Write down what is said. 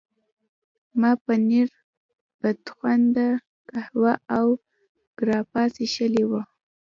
ما پنیر، بدخونده قهوه او ګراپا څښلي وو.